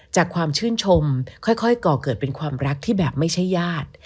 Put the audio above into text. ความชื่นชมค่อยก่อเกิดเป็นความรักที่แบบไม่ใช่ญาติ